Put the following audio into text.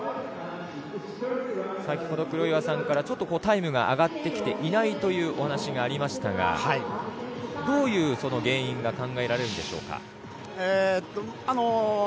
先ほど、黒岩さんからタイムが上がってきていないというお話がありましたがどういう原因が考えれるのでしょうか。